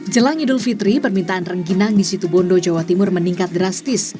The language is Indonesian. jelang idul fitri permintaan rengginang di situ bondo jawa timur meningkat drastis